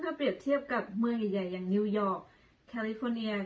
ถ้าเปรียบเทียบกับเมืองใหญ่อย่างนิวยอร์กแคลิฟอร์เนีย